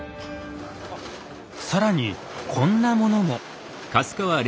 更にこんなものも。